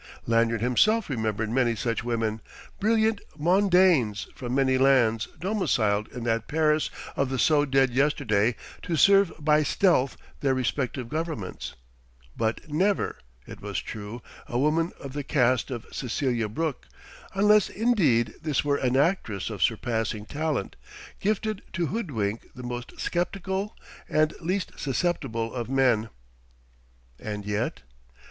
Lanyard himself remembered many such women, brilliant mondaines from many lands domiciled in that Paris of the so dead yesterday to serve by stealth their respective governments; but never, it was true, a woman of the caste of Cecelia Brooke; unless, indeed, this were an actress of surpassing talent, gifted to hoodwink the most skeptical and least susceptible of men. And yet....